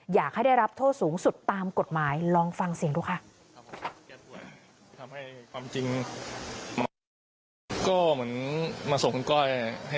อยากให้ได้รับโทษสูงสุดตามกฎหมายลองฟังเสียงดูค่ะ